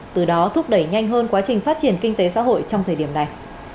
từ đó thúc đẩy nhanh hơn quá trình phát triển kinh tế xã hội trong thời điểm này